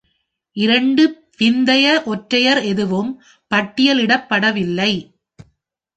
இரண்டு பிந்தைய ஒற்றையர் எதுவும் பட்டியலிடப்படவில்லை.